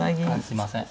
すいません。